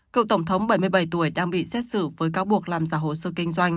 cựu tổng thống bảy mươi bảy tuổi đang bị xét xử với cáo buộc làm giả hồ sơ kinh doanh